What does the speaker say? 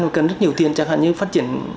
mà cần rất nhiều tiền chẳng hạn như phát triển